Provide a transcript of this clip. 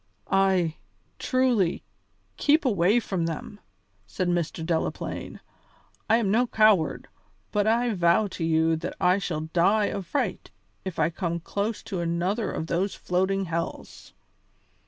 "Ay, truly, keep away from them," said Mr. Delaplaine. "I am no coward, but I vow to you that I shall die of fright if I come close to another of those floating hells."